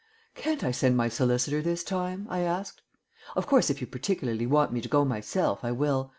"Can't I send my solicitor this time?" I asked. "Of course, if you particularly want me to go myself, I will.